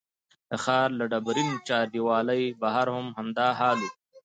د ښار له ډبرین چاردیوالۍ بهر هم همدا حال و.